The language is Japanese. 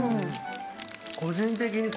個人的に。